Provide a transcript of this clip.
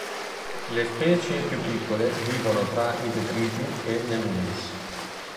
Le specie più piccole vivono tra i detriti e nell'humus.